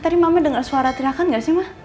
tadi mama denger suara teriakan gak sih ma